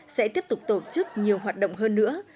sẽ tiếp tục tổ chức nhiều hoạt động hơn nữa